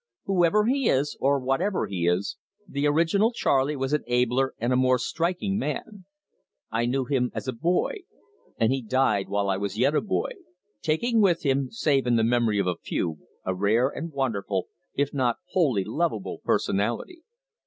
Whoever he is or whatever he is, the original Charley was an abler and a more striking man. I knew him as a boy, and he died while I was yet a boy, taking with him, save in the memory of a few, a rare and wonderful, if not wholly lovable personality.